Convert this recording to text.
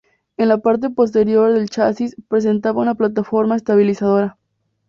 En la parte posterior del chasis presentaba una plataforma estabilizadora.